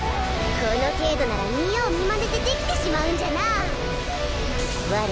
この程度なら見よう見まねでできてしまうんじゃなあ我